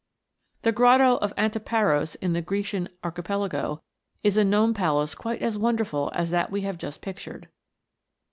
The Grotto of Antiparos, in the Grecian Archi pelago, is a gnome palace quite as wonderful as that we have just pictured.